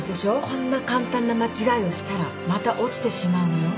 こんな簡単な間違いをしたらまた落ちてしまうのよ。